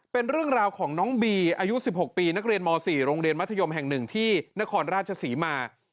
เป็นเรื่องราวของน้องบีอายุ๑๖ปีนักเรียนม๔โรงเรียนมัธยมแห่ง๑ที่นครราชศรีมา